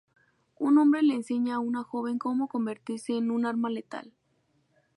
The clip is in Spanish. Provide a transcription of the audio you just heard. Un hombre le enseña a una joven cómo convertirse en un arma letal.